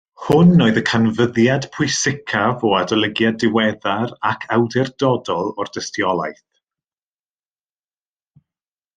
Hwn oedd y canfyddiad pwysicaf o adolygiad diweddar ac awdurdodol o'r dystiolaeth